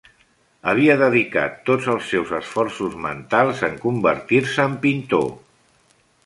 Havia dedicat tots els seus esforços mentals en convertir-se en pintor.